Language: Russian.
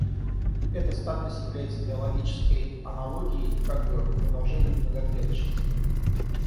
Эта стадность является биологически аналогией и как бы продолжением многоклеточности.